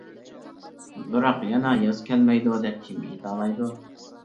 بىراق، يەنە ياز كەلمەيدۇ دەپ كىم ئېيتالايدۇ؟ ؟.